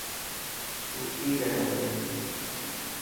تون ڪي ڪري پيو.